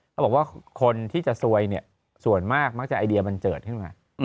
เขาบอกว่าคนที่จะซวยเนี่ยส่วนมากมักจะไอเดียบันเจิดขึ้นมา